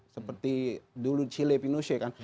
seperti dulu chile pinoche kan